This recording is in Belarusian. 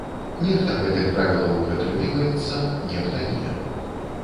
Нехта гэтых правілаў прытрымліваецца, нехта не.